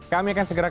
kami akan segera